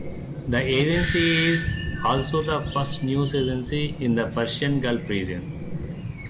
The agency is also the first news agency in the Persian Gulf region.